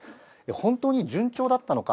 本当に順調だったのか。